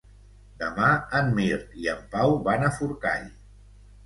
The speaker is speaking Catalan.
Demà en Mirt i en Pau van a Forcall.